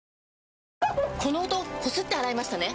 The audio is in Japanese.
この音こすって洗いましたね？